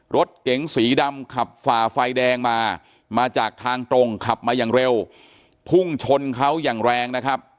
รถเก๋งสีดำขับฝ่าไฟแดงมามาจากทางตรงขับมาอย่างเร็วพุ่งชนเขาอย่างแรงนะครับ